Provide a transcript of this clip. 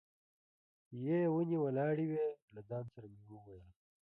یې ونې ولاړې وې، له ځان سره مې وویل.